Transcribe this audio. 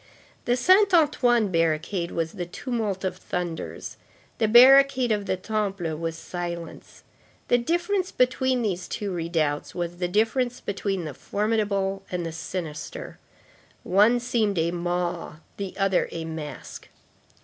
The Saint Antoine barricade was the tumult of thunders; the barricade of the Temple was silence. The difference between these two redoubts was the difference between the formidable and the sinister. One seemed a maw; the other a mask.